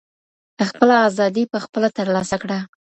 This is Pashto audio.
خپله ازادي په خپله ترلاسه کړه.